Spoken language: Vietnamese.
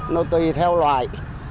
nó tùy theo loài